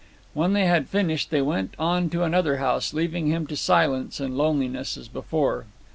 When they had finished they went on to another house, leaving him to silence and loneliness as before.